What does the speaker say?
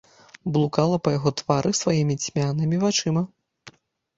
Блукала па яго твары сваімі цьмянымі вачыма.